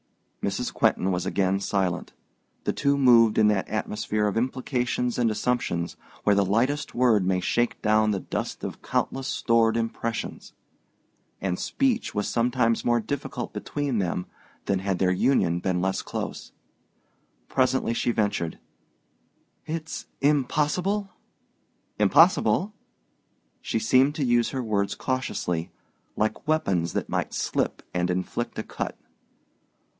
Mrs. Quentin was again silent. The two moved in that atmosphere of implications and assumptions where the lightest word may shake down the dust of countless stored impressions; and speech was sometimes more difficult between them than had their union been less close. Presently she ventured, "It's impossible?" "Impossible?" She seemed to use her words cautiously, like weapons that might slip and inflict a cut.